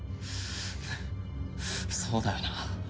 そうだよな